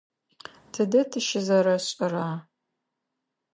Тыдэ тыщызэрэшӏэра?